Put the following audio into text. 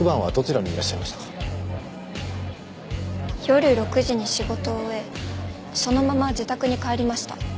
夜６時に仕事を終えそのまま自宅に帰りました。